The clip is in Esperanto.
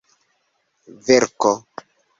verko